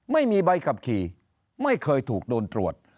ไม่มีใบขับขี่ไม่เคยถูกโดนตรวจ